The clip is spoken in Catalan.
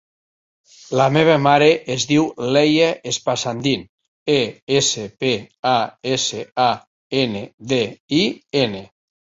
La meva mare es diu Leia Espasandin: e, essa, pe, a, essa, a, ena, de, i, ena.